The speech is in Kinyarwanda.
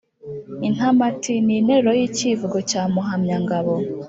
intamati ni interuro y’ikivugo cya muhamyangabo